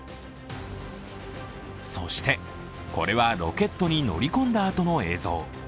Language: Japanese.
そして、これはロケットに乗り込んだあとの映像。